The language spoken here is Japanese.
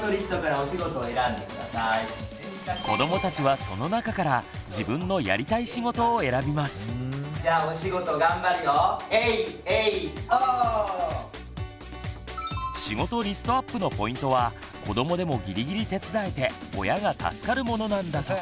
子どもたちはその中から仕事リストアップのポイントは子どもでもギリギリ手伝えて親が助かるものなんだとか。